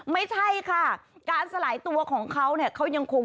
ไม่ใช่ค่ะการสลายตัวของเขา